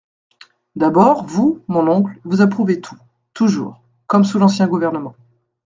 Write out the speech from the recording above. D’abord, vous, mon oncle, vous approuvez tout, toujours… comme sous l’ancien gouvernement…